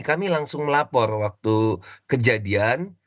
kami langsung melapor waktu kejadian